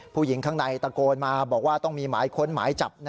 ผู้หญิงข้างในตะโกนมาบอกว่าต้องมีหมายค้นหมายจับ